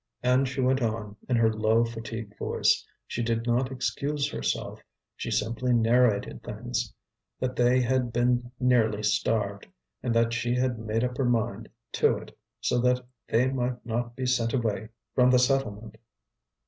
And she went on in her low, fatigued voice. She did not excuse herself, she simply narrated things that they had been nearly starved, and that she had made up her mind to it, so that they might not be sent away from the settlement.